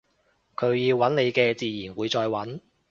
佢要搵你嘅自然會再搵